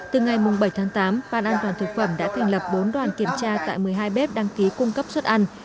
từ ngày bảy tháng tám ban an toàn thực phẩm đã thành lập bốn đoàn kiểm tra tại một mươi hai bếp đăng ký cung cấp suất ăn